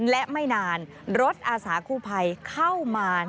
และไม่นานรถอาสาคู่ภัยเข้ามา